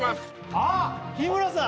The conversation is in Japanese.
あっ日村さん！